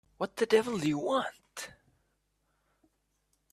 What the devil do you want?